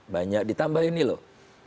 banyak ditambah ini loh